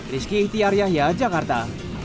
rizky ihtiar yahya jakarta